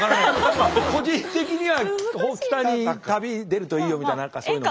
個人的には北に旅に出るといいよみたいな何かそういうの。